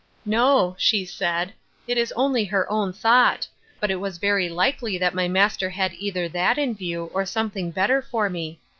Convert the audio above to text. No, she said; it was only her own thought; but it was very likely that my master had either that in view, or something better for me.